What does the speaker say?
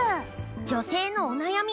女性のお悩み